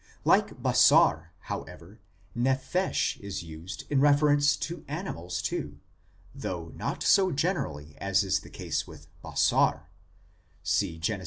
Like basar, however, nephesh is used in reference to animals too, though not so generally as is the case with basar, see Gen. i.